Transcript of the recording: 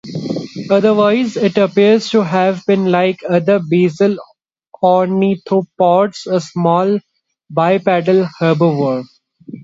Otherwise, it appears to have been like other basal ornithopods: a small bipedal herbivore.